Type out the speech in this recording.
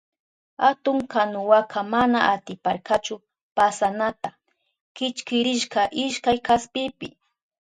Atun kanuwaka mana atiparkachu pasanata, kichkirishka ishkay kaspipi.